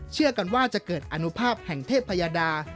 เชื่อกันว่าจะเกิดอนุภาพแห่งเทพยาดา